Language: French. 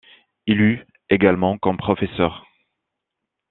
Il eut également comme professeur.